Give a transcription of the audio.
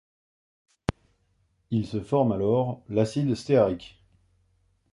Il se forme alors l'acide stéarique.